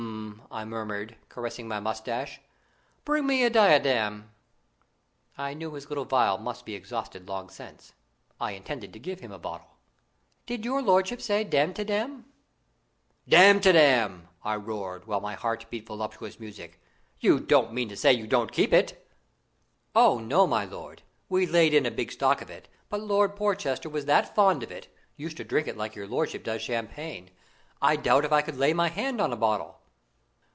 I murmured, caressing my moustache. "Bring me a Damtidam." I knew his little phial must be exhausted long since. I intended to give him a bottle. "Did your lordship say Damtidam?" "Damtidam!" I roared, while my heart beat voluptuous music. "You don't mean to say you don't keep it?" "Oh no, my lord! We laid in a big stock of it; but Lord Porchester was that fond of it (used to drink it like your lordship does champagne), I doubt if I could lay my hand on a bottle."